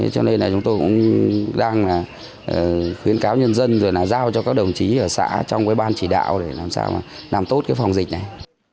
cho nên là chúng tôi cũng đang khuyến cáo nhân dân rồi là giao cho các đồng chí ở xã trong ban chỉ đạo để làm sao mà làm tốt cái phòng dịch này